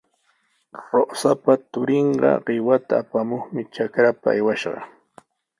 Rosapa turinqa qiwata apamuqmi trakrapa aywashqa.